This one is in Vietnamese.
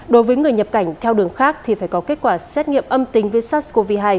đối với người nhập cảnh theo đường khác thì phải có kết quả xét nghiệm âm tính với sars cov hai